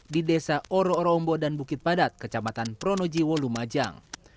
di desa oro oroombo dan bukit padat kecamatan pronoji wolumajang